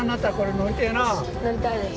乗りたいです。